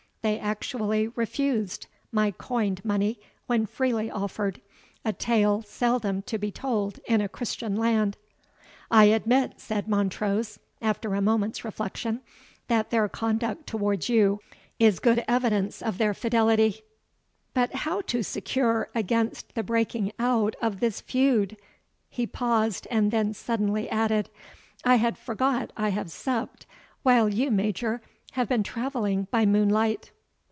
They actually refused my coined money when freely offered, a tale seldom to be told in a Christian land." "I admit," said Montrose, after a moment's reflection, "that their conduct towards you is good evidence of their fidelity; but how to secure against the breaking out of this feud?" He paused, and then suddenly added, "I had forgot I have supped, while you, Major, have been travelling by moonlight."